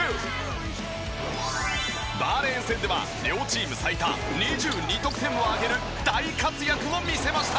バーレーン戦では両チーム最多２２得点を挙げる大活躍を見せました。